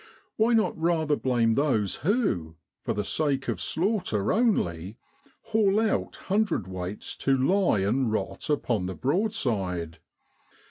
Why not rather blame those who, for the sake of slaugh ter only, haul out hundred weights to lie and rot upon the Broadside?